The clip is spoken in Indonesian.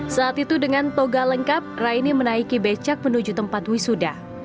saat itu dengan toga lengkap raini menaiki becak menuju tempat wisuda